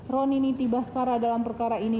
ronini tibaskara dalam perkara ini